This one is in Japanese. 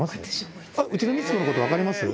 うちの光子のこと分かります？